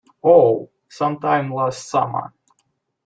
Oh, some time last summer.